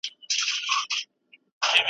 کله د کورونو تالاشي غیر قانوني ده؟